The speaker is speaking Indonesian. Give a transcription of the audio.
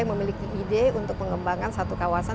memiliki ide untuk mengembangkan satu kawasan